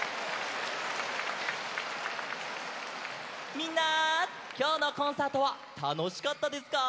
みんなきょうのコンサートはたのしかったですか？